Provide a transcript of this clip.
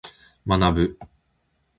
学ぶ。